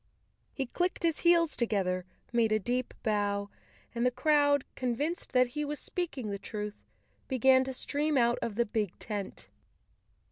He clicked his heels together, made a deep bow and the crowd, convinced that he was speaking the truth, began to stream out of the big tent.